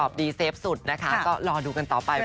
ตอบดีเซฟสุดนะคะก็รอดูกันต่อไปว่าใคร